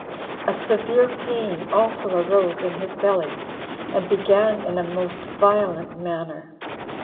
A severe pain also arose in his belly, and began in a most violent manner.